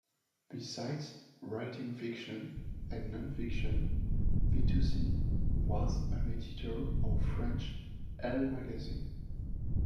Besides writing fiction and non-fiction, Fitoussi was an editor of French "Elle" magazine.